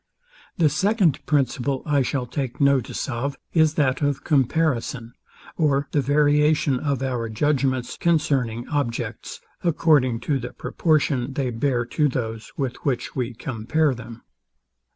The second principle I shall take notice of is that of comparison, or the variation of our judgments concerning objects, according to the proportion they bear to those with which we compare them.